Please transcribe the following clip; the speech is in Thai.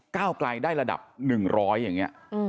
ก้าวไกลได้ระดับ๑๐๐อย่างนี้